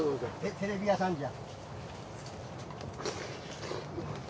テレビ屋さんじゃ。